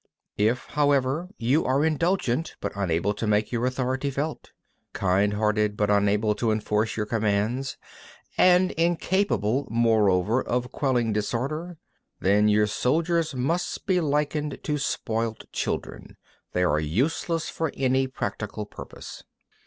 26. If, however, you are indulgent, but unable to make your authority felt; kind hearted, but unable to enforce your commands; and incapable, moreover, of quelling disorder: then your soldiers must be likened to spoilt children; they are useless for any practical purpose.